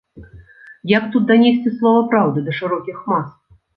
Як тут данесці слова праўды да шырокіх мас?